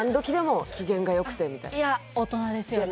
そういや大人ですよね